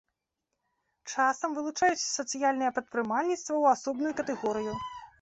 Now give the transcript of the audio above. Часам вылучаюць сацыяльнае прадпрымальніцтва ў асобную катэгорыю.